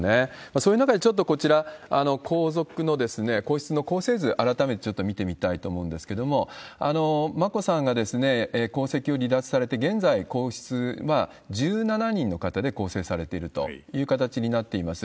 そういう中で、ちょっとこちら、皇族の、皇室の構成図、改めてちょっと見てみたいと思うんですけれども、眞子さんが皇籍を離脱されて、現在皇室、１７人の方で構成されているという形になっています。